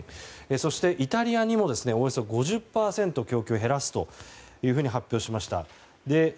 そしてイタリアにもおよそ５０％供給を減らすと発表しました。